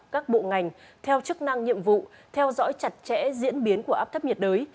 các bộ ngành theo chức năng nhiệm vụ theo dõi chặt chẽ diễn biến của áp thấp nhiệt đới